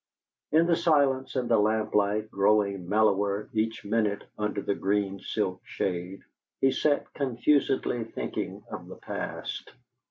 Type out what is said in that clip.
In the silence and the lamplight, growing mellower each minute under the green silk shade, he sat confusedly thinking of the past.